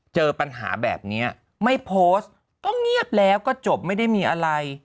เจอปัญหาแบบนี้ไม่โพสต์ก็เงียบแล้วก็จบไม่ได้มีอะไร